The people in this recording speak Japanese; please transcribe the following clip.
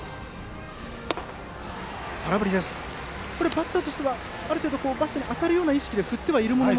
バッターとしてはある程度、バットに当てる意識で振ってはいるものの。